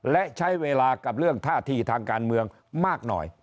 และใช้เวลากับเรื่องท่าทีทางการเมืองมากหน่อย